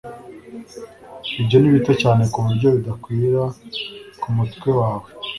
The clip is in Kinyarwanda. Ibyo ni bito cyane kuburyo bidakwira ku mutwe wawe